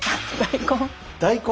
大根。